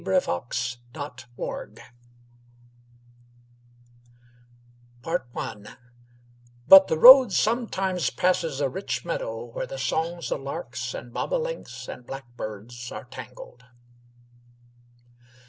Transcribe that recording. Among the Corn Rows "But the road sometimes passes a rich meadow, where the songs of larks and bobolinks and blackbirds are tangled."